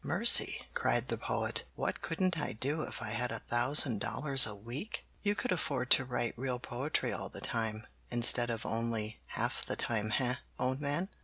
"Mercy!" cried the Poet. "What couldn't I do if I had a thousand dollars a week!" "You could afford to write real poetry all the time, instead of only half the time, eh, old man?"